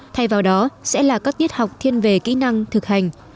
thay vào đó sẽ là các tiết học thiên về kỹ năng thực hành